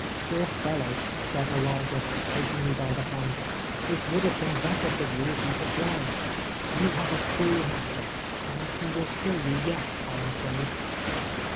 " Poor fellow," said Eliza, taking me by the hand, " it would have been better for you if you had drown ed. You have a cruel master, and he will kill you yet, I am afraid."